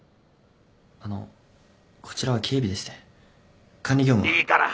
あのこちらは警備でして管理業務は。